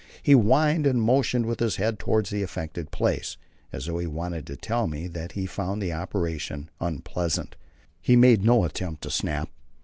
He whined, and motioned with his head towards the affected place, as though he wanted to tell me that he found the operation unpleasant. He made no attempt to snap.